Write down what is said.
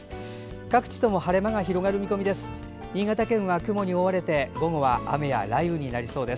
各地とも晴れ間が広がる見込みです。